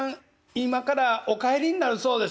今からお帰りになるそうです」。